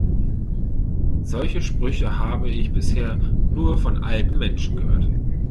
Solche Sprüche habe ich bisher nur von alten Menschen gehört.